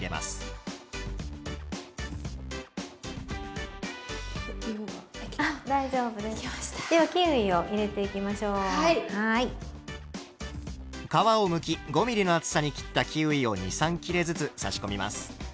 皮をむき５ｍｍの厚さに切ったキウイを２３切れずつ差し込みます。